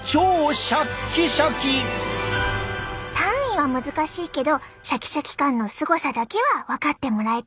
単位は難しいけどシャキシャキ感のすごさだけは分かってもらえた？